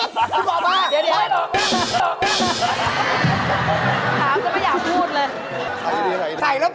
นี่คือราคาบรมคลนะฮะ